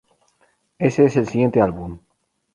Ese es el siguiente álbum.